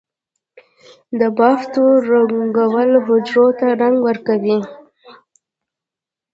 د بافتو رنگول حجرو ته رنګ ورکوي.